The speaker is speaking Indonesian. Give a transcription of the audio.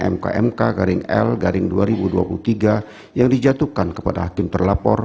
mkmk garing l garing dua ribu dua puluh tiga yang dijatuhkan kepada hakim terlapor